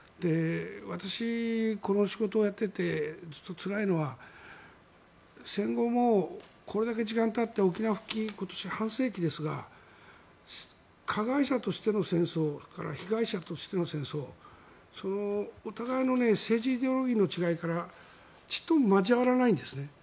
私、この仕事をやっててずっとつらいのは戦後、もうこれだけ時間がたって沖縄復帰、半世紀ですが加害者としての戦争被害者としての戦争お互いの政治イデオロギーの違いからちっとも交わらないんですね。